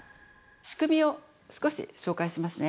仕組みを少し紹介しますね。